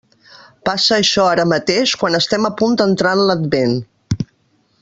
Passa això ara mateix quan estem a punt d'entrar en l'Advent.